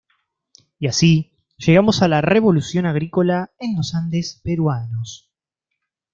Y así llegamos a la revolución agrícola en los Andes peruanos.